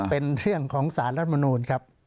เป็นเรื่องของสารรัฐมนูลครับ